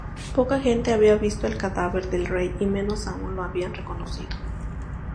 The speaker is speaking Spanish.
Poca gente había visto al cadáver del rey y menos aún lo habían reconocido.